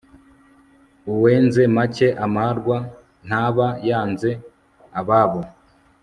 uwenze make (amarwa) ntaba yanze ababo